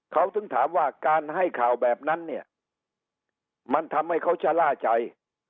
เขาถึงถามว่าการให้ข่าวแบบนั้นเนี่ยมันทำให้เขาชะล่าใจ